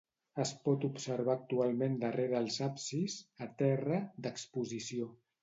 Es pot observar actualment darrere els absis, a terra, d'exposició.